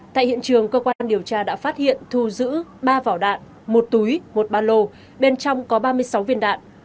tại hiện trường cơ quan điều tra đã phát hiện thu giữ ba vỏ đạn một túi một ba lô bên trong có ba mươi sáu viên đạn